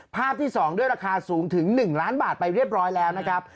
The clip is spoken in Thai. ภาพที่๒ด้วยราคาสูงถึง๑ล้านบาทไปเรียบร้อยแล้วนะครับ